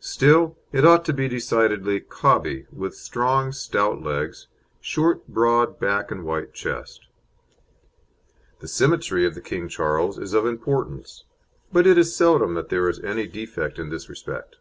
Still, it ought to be decidedly "cobby," with strong, stout legs, short broad back and wide chest. The symmetry of the King Charles is of importance, but it is seldom that there is any defect in this respect.